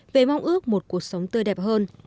về mong ước một cuộc sống tươi đẹp hơn